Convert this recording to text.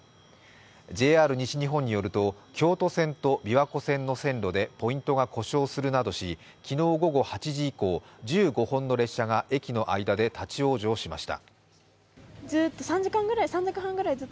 ＪＲ西日本によると京都線と琵琶湖線の線路でポイントが故障するなどし昨日、午後８時以降１５本の列車が駅の間で立往生しました。